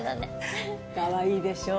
かわいいでしょ？